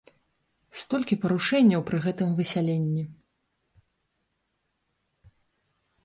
Столькі парушэнняў пры гэтым высяленні!